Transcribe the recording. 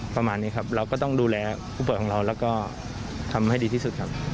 ประมาณนี้ครับเราก็ต้องดูแลผู้ป่วยของเราแล้วก็ทำให้ดีที่สุดครับ